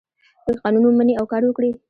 که قانون ومني او کار وکړي.